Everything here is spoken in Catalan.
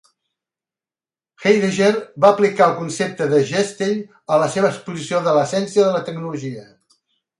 Heidegger va aplicar el concepte de "Gestell" a la seva exposició de l'essència de la tecnologia.